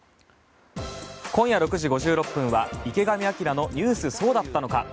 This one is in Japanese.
今夜６時５６分は「池上彰のニュースそうだったのか！！」。